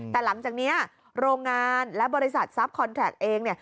แต่หลังจากนี้โรงงานและบริษัทซับคอนแคลร์ตเอง